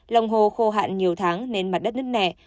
lòng hồ khô hạn nhiều tháng nên mặt đất nứt nẻ